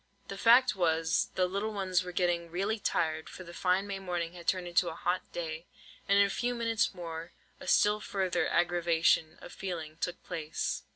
The fact was, the little ones were getting really tired, for the fine May morning had turned into a hot day; and in a few minutes more, a still further aggravation of feeling took place.